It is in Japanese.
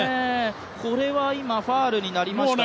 これは今、ファウルになりましたか。